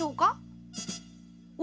お？